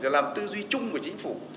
làm tư duy chung của chính phủ